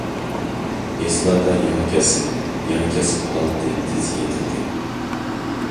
يېزىلاردا يېڭى كەسىپ، يېڭى كەسىپ ھالىتى تېز يېتىلدى.